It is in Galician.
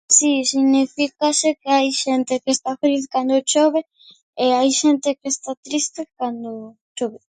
Si, signifícase que hai xente que está feliz cando chove e hai xente que está triste cando chove.